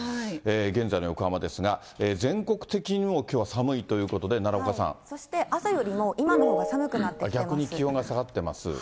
現在の横浜ですが、全国的にもうきょうは寒いということで、そして、朝よりも今のほうが逆に気温が下がってます。